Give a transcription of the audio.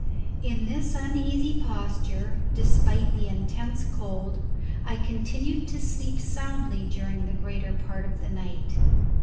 In this uneasy posture, despite the intense cold, I continued to sleep soundly during the greater part of the night.